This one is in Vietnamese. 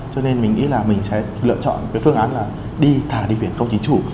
cho nên mình nghĩ là mình sẽ lựa chọn cái phương án là đi thả đi biển công chính chủ